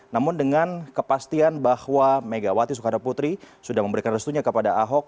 namun dengan kepastian bahwa megawati soekarno putri sudah memberikan restunya kepada ahok